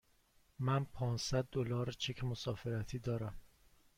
من پانصد دلار چک مسافرتی دارم.